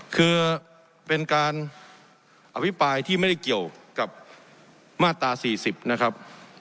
คือเป็นการอภิปรายที่ไม่ได้เกี่ยวกับมาตรา๔๐นะครับ